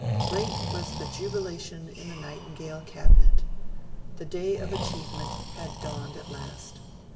Great was the jubilation in the Nightingale Cabinet: the day of achievement had dawned at last.